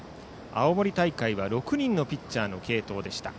青森大会は６人のピッチャーの継投でした。